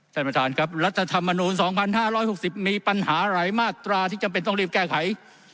ท่านประธานครับรัฐธรรมนูล๒๕๖๐มีปัญหาหลายมาตราที่จำเป็นต้องรีบแก้ไข